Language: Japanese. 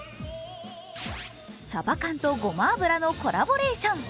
さば缶とごま油のコラボレーション。